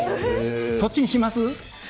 そっちにします？